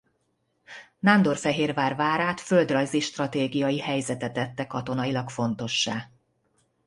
Nándorfehérvár várát földrajzi-stratégiai helyzete tette katonailag fontossá.